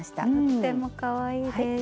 とってもかわいいです。